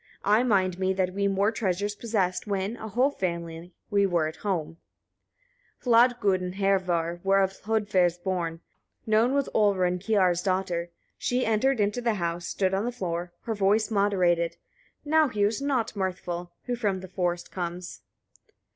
I mind me that we more treasures possessed, when, a whole family, we were at home. 15. Hladgud and Hervor were of Hlodver born; known was Olrun, Kiar's daughter, she entered into the house, stood on the floor, her voice moderated: Now is he not mirthful, who from the forest comes."